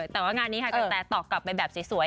แต่ว่างานนี้ค่ะกระแตตอบกลับไปแบบสวย